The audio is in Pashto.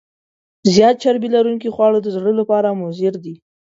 زیات چربي لرونکي خواړه د زړه لپاره مضر دي.